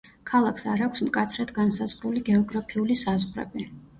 ქალაქს არ აქვს მკაცრად განსაზღვრული გეოგრაფიული საზღვრები.